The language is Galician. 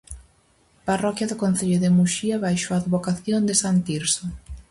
Parroquia do concello de Muxía baixo a advocación de san Tirso.